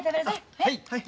はい。